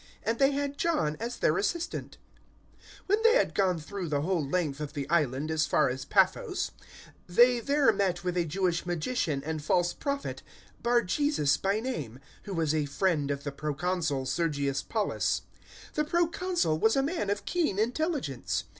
And they had John as their assistant. 013:006 When they had gone through the whole length of the island as far as Paphos, they there met with a Jewish magician and false prophet, Bar Jesus by name, 013:007 who was a friend of the Proconsul Sergius Paulus. The Proconsul was a man of keen intelligence.